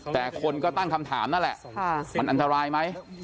แต่คนก็ตั้งคำถามนั่นแหละมันอันตรายไหม